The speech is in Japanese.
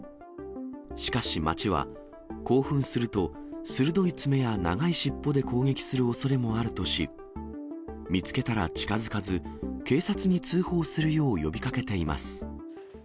しかし、町は興奮すると、鋭い爪や長い尻尾で攻撃するおそれもあるとし、見つけたら近づかず、警察に通報するよう呼びかけています。